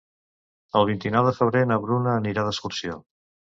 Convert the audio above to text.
El vint-i-nou de febrer na Bruna anirà d'excursió.